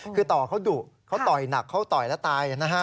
คือต่อเขาดุเขาต่อยหนักเขาต่อยแล้วตายนะฮะ